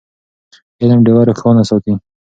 علم ډېوه روښانه ساتي.